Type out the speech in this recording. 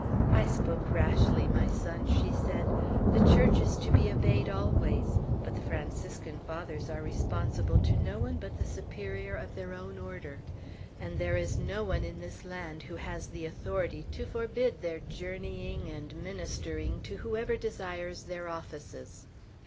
"I spoke rashly, my son," she said. "The Church is to be obeyed always; but the Franciscan Fathers are responsible to no one but the Superior of their own order; and there is no one in this land who has the authority to forbid their journeying and ministering to whoever desires their offices.